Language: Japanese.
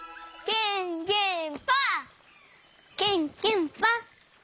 ケンケンパ。